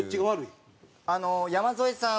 山添さん